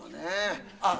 「あっ。